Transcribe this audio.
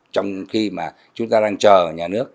trong khi mà chúng ta đang chờ nhà nước